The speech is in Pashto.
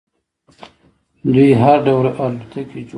دوی هر ډول الوتکې جوړوي.